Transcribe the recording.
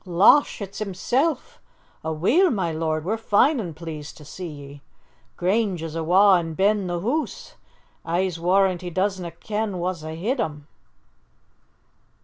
"Losh, it's himsel'! Aweel, ma lord, we're fine an' pleased to see ye! Grange is awa' in ben the hoose. I'se warrant he doesna' ken wha's ahint him!"